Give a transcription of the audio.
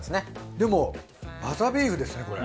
でもわさビーフですねこれ。